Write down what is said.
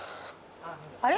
あれ？